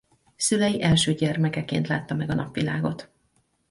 Szülei első gyermekeként látta meg a napvilágot.